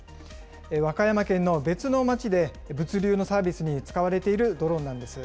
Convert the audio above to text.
和歌山県の別の町で、物流のサービスに使われているドローンなんです。